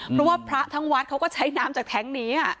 เพราะว่าพระทั้งวัดเขาก็ใช้น้ำจากแท้งนี้